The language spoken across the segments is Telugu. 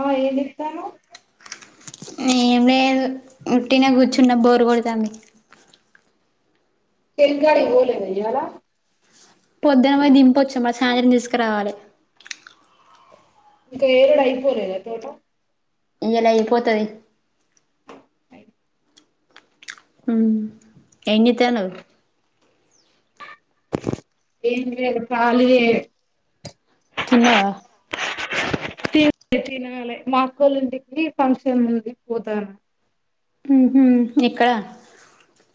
ఆహ్ ఏం చేస్తున్నావ్. ఎం లేదు ఉట్టిన కూర్చున్న బోరు కొడుతంది చేనుకాడికి పోలేద ఇయ్యాల పొద్దున పోయి దింపవచ్చ మ సాయంత్రం తీసుకురావాలి ఇంకా ఏరుడు ఐపోలేద తోటా ఇయ్యలా అయిపోతది ఉం ఏంచేతనావ్ ఎం లేదు కాళీ ఎ తిన్నావా తిన తినాలే మాక్కోళింటికి ఫంక్షన్ ఉంది పోతాన ఉహు ఎక్కడ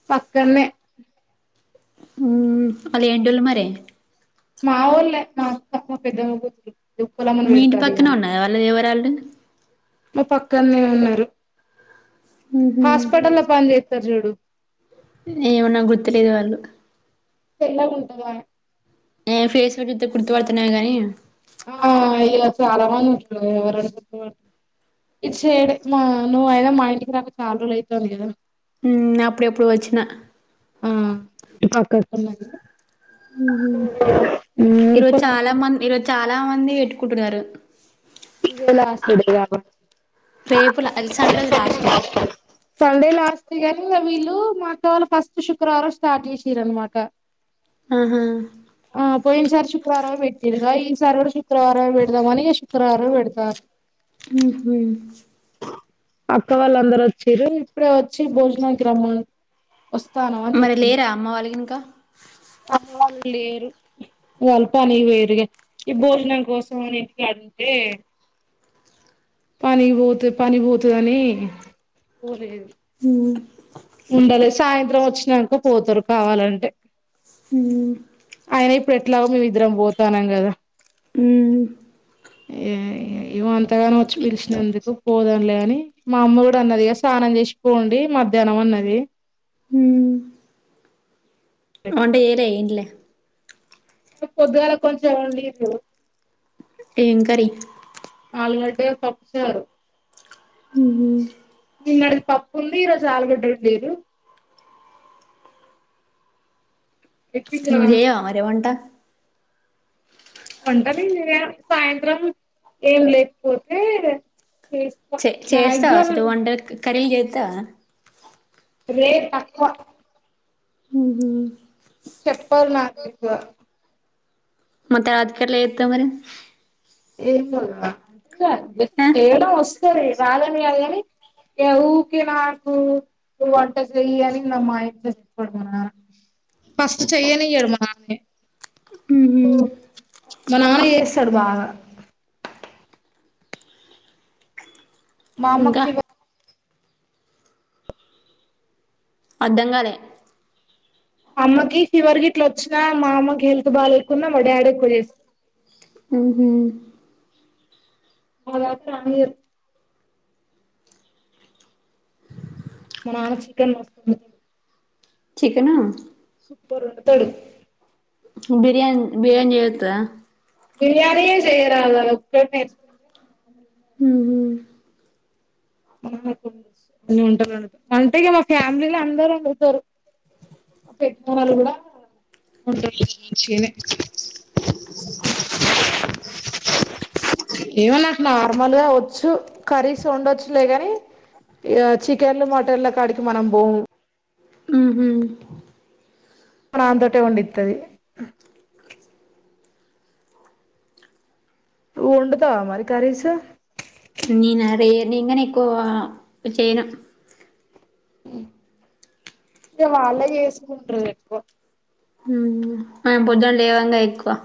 పక్కన్నే ఉ వాళ్ళు ఏంటోళ్లు మరే మా వొళ్ళే మా అత్త మా పెద్దమ్మ కూతురు ఉప్పలమ్మను మీ ఇంటి పెడతారు ఇగ పక్కనే ఉన్నదా వాళదే ఎవరాళ్లు మా పక్కన్నే ఉన్నారు ఉహు హాస్పిటల్ ల పని చే త్తరు జూడు ఏమో నాకు గుర్తులేదు వాళ్ళు తెల్లగుంటదాయే ఏ ఫేస్ ల చూత్తే గుర్తుపడుతానేమో గానీ ఆ ఇలా చాలా మంది ఉంటరు కదా ఎవరని గుర్తు పడతా ఇటు సైడ్ మా నువ్వు అయినా మా ఇంటికి రాక చాలా రోజు అతంది కదా ఉం అప్పుడు ఎప్పుడో వచ్చిన ఆ పక్కకున్నది ఉహు ఈరోజు ఉప్పలమ్మ చాలా మంది ఈరోజు చాలా మంది పెట్కుంటున్నరు ఇదే లాస్ట్ ఇదిగా రేపు లా సండే రోజు లాస్ట్ సండే లాస్ట్ గా ంగా వీళ్ళు మాక్క వాళ్ళ ఫస్ట్ శుక్రవారం స్టార్ట్ చేసిరనమాట ఆహా పోయిన సారి శుక్రారం పెట్టిర్గా ఈ సారి గూడా శుక్ క్రారమే పెడుదామని శు క్రరం పెడుతరు ఉహు అక్క వాళ్ళందరు వచ్చారు ఇప్పుడే వచ్చి భోజనానికి రమ మరి లేరా అమ్మ వాళ్ళకి ఇనుకా అమ్మ వాలేేరు వాళ్ళు పనికి పోయిరు ఇగ ఈ భోజనం కోసం ని ఇంటి అత్తే పని కి బోతే పని బోతదని పోలేదు ఉం ఉండాలే సాయంత్రం వచ్చినంక పోతారు కావాలంటే ఉమ్ ఆయన ఇప్పుడు ఎట్లాగొ మీమీ ఇద్దరం పోతన్నాం కదా ఉ ఏ ఏమో అంతగాన వచ్చి పిలిచినందుకు పోదంలే అని మా అమ్మ కూడా అన్నదిగా స్నానం చేసి పోండి మ ధనం అన్నది హు వంట చేయలే ఇండ్ల పొద్దుగాల కొంచెం ఆ లేదు ఏం కర్రీ ఆలుగడ్డ, పప్పుచారు ఉ హు నిన్నటిది పప్పు ఉంది ఈరోజు ఆలుగడ్డ లేదు నువ్వు చేయవా మరి వంట వంట నేను చేయ సాయంత్రం ఏం లేకపోతే చేస్తా చే చేస్తావా మాక్సిమం అచ్చటు వంట కర్రీలు చేత్తవ రేర్ తక్కువ ఉ హు చెప్పాల ఆగ మత్త రాతికట్ల చేత్తవు మరి ఏమోరా ఆ చేయడం వస్ సరే రాలనియాలి ఆ ఊకే నాకు నువ్వు వంట చెయ్యి అని నా మా ఇట్ చెప్పాడు మ ఫస్ట్ చెయ్యనియడు మా నాన్నే ఉహు మా నాన్న చేస్తాడు బాగా మా అమ్మకి ఇంకా ఫీవర్ అర్ధంగాలే అమ్మకి ఫీవర్ కి ఇట్లా వచ్చినా మా అమ్మకి హెల్త్ బాలేకున్నా మా డాడీ ఎక్కువ చేస్తాడు ఉ హు మగాచ్చ అనిరు మ నాన్న చికెన్ మస్తు చికెనా సూపర్ వండుతాడు బిర్యానీ బిర్యానీ చేతదా బిరియానీ చేయరాదు ఆది ఒకటి నేర్చు ఉ హు [inaudible] అని ఉంటున్నాడు అంతేగా మా ఫ్యామిలీలో అందరూ వండుతారు పెద్దవాళ్లు కూడా [inaudible] ఏమో నాకు నార్మల్గా వచ్చు కరీస్ వండొచ్చు ఇట్లే గాని ఈ చికెన్లు మటన్లు కాడికి మనం పోము ఉహు మా నాన్న తోటే వండితది ఉ వండుతావా మరి కర్రీస్ నీనరే నేను గాని ఎక్కువ చేయను ఇకా వాళ్లే చేసుకుంటరు ఎక్కువ ఆ పొద్దున లేవంగా ఎక్కువ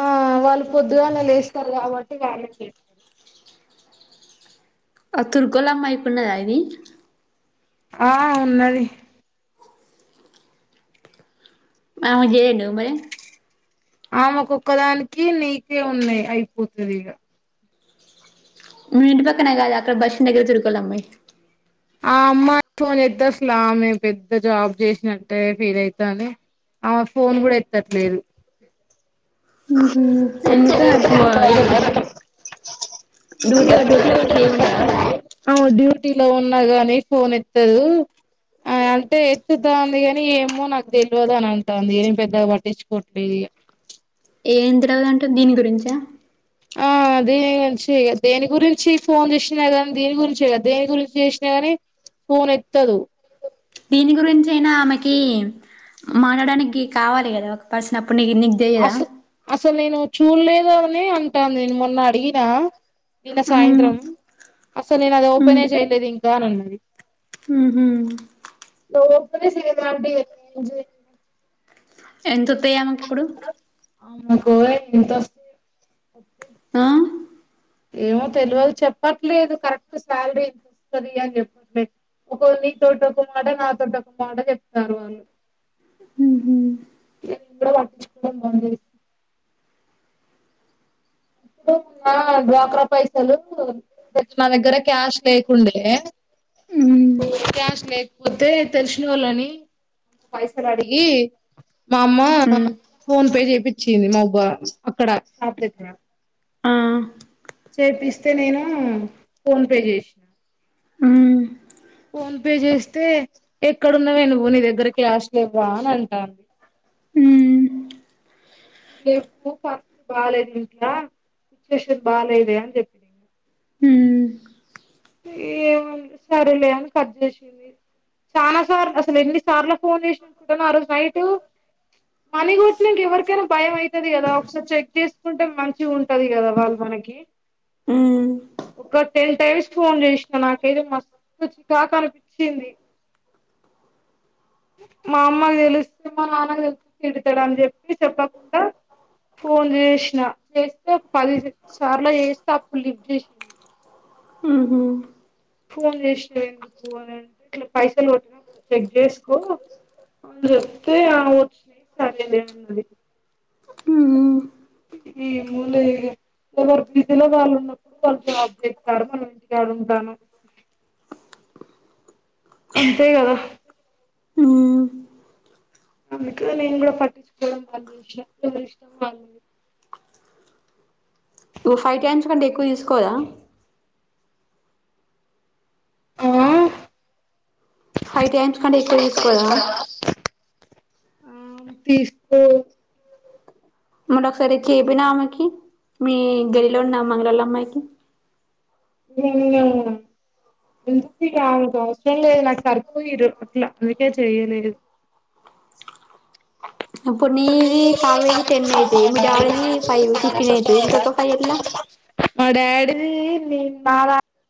ఆ వాళ్ళు పొద్దుగాలా లేస్తారు కాబట్టి [inaudible] అ తూర్గలాంమాకున్నాదయది ఆ ఉన్నది ఆమెక్ జేఎండీ మరి ఆమెకొక్కదానికి, నీకే ఉన్నయి అయిపోతదిగ. మీ ఇంటి పక్కన గాదు అక్కడ బస్టాండ్ దగ్గర తురుకోల్ల అమ్మాయి. ఆ అమ్మాయి ఫోన్ ఎద్దస్లా ఆమె పెద్ద జాబ్ చేసినట్టే ఫీల్ అయితాంది, ఆమె ఫోన్ కూడా ఎత్తట్లేదు. డ్యూటీల డ్యూటీలో కూడా ఫ్రీగుండదా? ఆమె డ్యూటీలో ఉన్ న్న గాని ఫోన్ ఎత్తదు ఆమె అంటే, ఎత్తుతాంది కని ఏమో నాకు తెల్వదు అని అంటాన్ది ఏం పెద్దగ పట్టిచ్చుకోట్లేదిగా. ఏం తెల్వదు అంటె దీని గురించా? ఆ దీని గురించేఇగ దేని గురించి ఫోన్ చేసినా కానీ దీని గురించే గాదు దేని గురించి చేసినా కాని ఫోన్ ఎత్తదు. దీని గురించి అయినా ఆమెకి, మాటడానికి కావాలి కదా ఒక పర్సనబ్ కొన్ని గి నిక్ తెలియదా అసలు అసలు నేను చూడలేదు ఆమెని అంటాంది నేను మొన్న అడిగినా? నిన్న హ్మ్ సాయంత్రం, అసలు నేను అది ఓపెనే చేయలేదు ఇం బానె ఉన్నది. ఉమ్ హూ [unintelligible] ఏం జేయనిగా ఎంతొత్తయ్ ఆమెకి ఇప్పుడు ఆమెకువోయ్ ఎంతొస్తయో ఆ ఏమో తెల్వదు చెప్పట్లేదు కరెక్ట్ శాలరీ ఎంత వస్తుంది అని చెప్పట్లేదు, ఒకల్ నీ తోటి ఒక మాట, నా తోటి ఒక మాట చెప్తార్రూ వాళ్ళు. ఉహు అప్పుడు మల్లా డ్వాక్రా పైసలు పెట్టి నా దగ్గర క్యాష్ లేకుండే, హ్మ్ క్యాష్ లేకపోతే తెలిసినోళ్ళని పైసలు అడిగి మామ్మ హ్మ్ ఫోన్పే చెపి చేపిచ్చింది మౌబ్బా, అక్కడ షాప్ దగ్గర ఆ చేపిస్తే నేను ఫోన్ పే చేసినా హ్మ్ ఫోన్ పే చేస్తే ఎక్కడున్నవే నువ్వు నీ దగ్గర క్యాష్ లెవ్వా అని అంటాంది. మ్మ్ లెవ్వు పరిస్థితి బాలేదే ఇంట్లా సిచ్యుయేషన్ బాలేదే అని చెప్పినిగ. మ్హు ఏమో ఇగ సరేలే అని కట్ చేసింది. చానా సార్ అసల్ ఎన్ని సార్ల ఫోన్ చేసిననుకుంటున్నవ్ ఆ రోజు నైట్ మనీ కొట్టినంక ఎవరికైనా భయం ఐతది కదా, ఒకసారి చెక్ చేసుకుంటే మంచిగుంటది కదా వాళ్ళు మనకి. మ్మ్ ఒక టెన్ టైమ్స్ ఫోన్ చేసిన నాకైతే మస్తు చికాకు అనిపిచ్చింది. మా అమ్మకి తెలిస్తే, మా నాన్నకు తెలుస్తే తిడతడు అని చెప్పి చెప్పకుండా ఫోన్ చేసిన, చేస్తే ఒక పది సార్ల చేస్తే అప్పుడు లిఫ్ట్ చేసింది. ఉమ్ హూ ఫోన్ చేసినవ్ ఎందుకు అని అంటే, ఇట్ల పైసలు కొట్టినా ఒకసారి చెక్ చేసుకో అని చెప్తే ఆ వచ్చినయ్ సరేలే అన్నది. మ్మ్ ఈ మూల ఎవరు బీజిలో వాళ్ళు ఉన్నప్పుడు వాళ్ళు జాబ్ చెత్తార్రూ మనమ్ ఇంటికాడ ఉంటానం. అంతే కదా ఆమెకు నేను కూడ పట్టించుకోవడం బంజేసిన చేసినా ఎవారిష్టం వాళ్ళది. వు ఫైవ్ టైమ్స్ కంటే ఎక్కువ తీసుకోదా? ఆ ఫైవ్ టైమ్స్ కంటే ఎక్కువ తీసుకోదా? ఆ తీసుకోద్ మల్ల ఒకసారి చేపోయినవ్ ఆమెకి? మీ గల్లిలో ఉన్న మంగలోళ్ళ అమ్మాయికి? ఉమ్ ఎందుకిగ ఆమెతో అవసరం లేదు నాకు సరిపోయిర్రు అట్లా అందుకే చెయలేదు ఇప్పుడు నీది కావ్యది టెన్ అయితయ్, మీ డాడిది ఫైవ్ ఫిఫ్టీన్ అయితది ఇంకొక ఫైవ్ ఎట్లా? మా డాడీది నేన్ మాడా